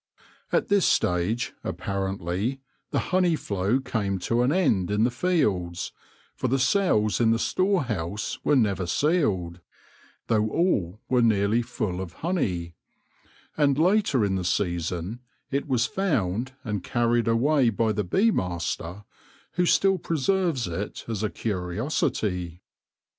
At this stage, apparently, the honey flow came to an end in the fields, for the cells in the store house were never sealed, though all were nearly full of honey ; and later in the season it was found and carried away by the bee master, who still preserves it as a curiosity.